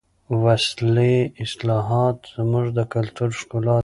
ولسي اصطلاحات زموږ د کلتور ښکلا ده.